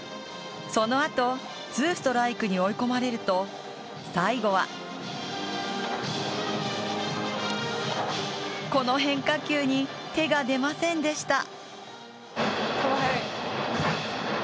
そのあと、ツーストライクに追い込まれると最後はこの変化球に手が出ませんでした。